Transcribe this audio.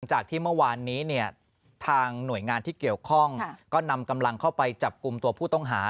จากที่เมื่อวานนี้เนี่ยทางหน่วยงานที่เกี่ยวข้องก็นำกำลังเข้าไปจับกลุ่มตัวผู้ต้องหา